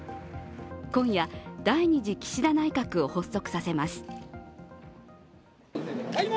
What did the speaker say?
今夜、第２次岸田内閣を発足させます。